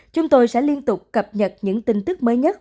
chúng tôi sẽ liên tục cập nhật những tin tức mới nhất